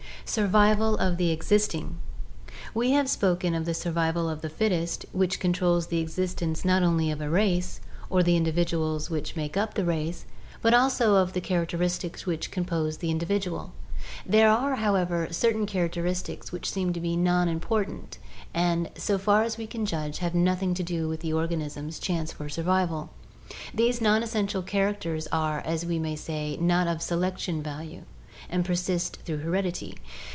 Survival of the Existing. — We have spoken of the survival of the fittest which controls the existence not only of a race, or the individuals which make up the race, but also of the characteristics which compose the individual. There are, however, certain char acteristics which seem to be non important and, so far as we can judge, have nothing to do with an organism's chance for survival. These non essential characters are, as we say, not of selection value, and persist through heredity.